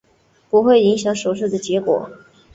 不会影响手术的结果。